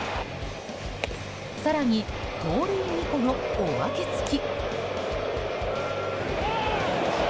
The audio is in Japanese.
更に盗塁２個のおまけつき。